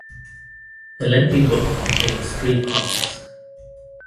The lengthy book contains three parts.